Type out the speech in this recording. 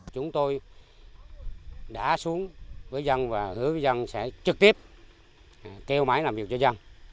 chúng tôi đã xuống với dân và hứa dân sẽ trực tiếp kêu máy làm việc cho dân